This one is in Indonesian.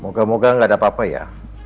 moga moga gak ada apa apa ya